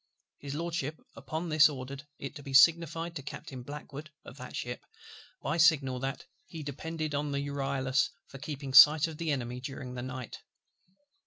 His LORDSHIP upon this ordered it to be signified to Captain BLACKWOOD (of that ship) by signal, that "he depended on the Euryalus for keeping sight of the Enemy during the night."